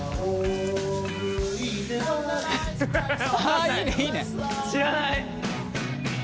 あいいねいいね知らない。